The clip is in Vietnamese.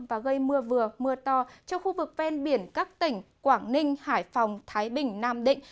và gây mưa vừa mưa to cho khu vực ven biển các tỉnh quảng ninh hải phòng thái bình nam định